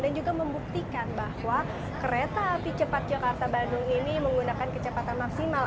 dan juga membuktikan bahwa kereta api cepat jakarta bandung ini menggunakan kecepatan maksimal